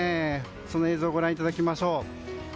その映像をご覧いただきましょう。